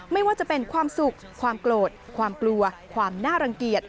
ไม่ว่าจะเป็นความสุขความโกรธความกลัวความน่ารังเกียจ